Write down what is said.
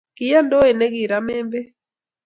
Kiyee ndoit ne kiromen beek